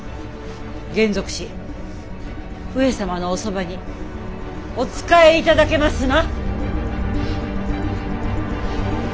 還俗し上様のおそばにお仕え頂けますな。